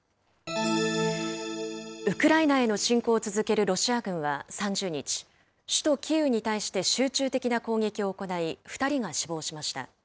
ウクライナへの侵攻を続けるロシア軍は３０日、首都キーウに対して集中的な攻撃を行い、２人が死亡しました。